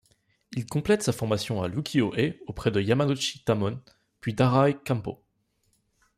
Il complète sa formation à l'ukiyo-e auprès de Yamanōchi Tamon puis d'Arai Kampō.